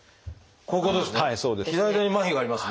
こういうことですね。